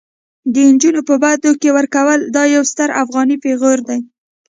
د انجونو په بدو کي ورکول دا يو ستر افغاني پيغور دي